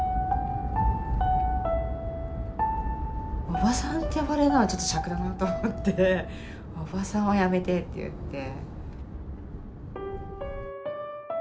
「おばさん」って呼ばれるのはちょっとしゃくだなと思って「おばさんはやめて」って言って。